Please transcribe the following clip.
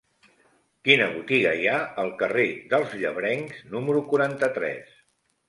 Quina botiga hi ha al carrer dels Llebrencs número quaranta-tres?